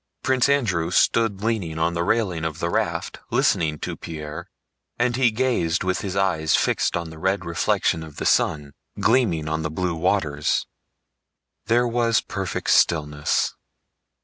Prince Andrew stood leaning on the railing of the raft listening to Pierre, and he gazed with his eyes fixed on the red reflection of the sun gleaming on the blue waters. There was perfect stillness.